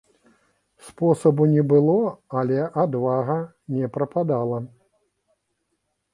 Спосабу не было, але адвага не прападала.